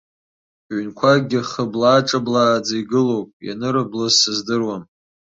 Ҩнқәакгьы хыблааҿыблааӡа игылоуп, ианырыблыз сыздыруам.